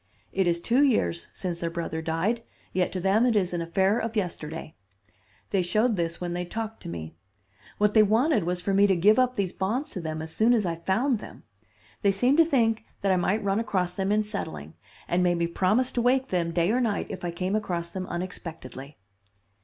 It is two years since their brother died, yet to them it is an affair of yesterday. They showed this when they talked to me. What they wanted was for me to give up these bonds to them as soon as I found them. They seemed to think that I might run across them in settling, and made me promise to wake them day or night if I came across them unexpectedly."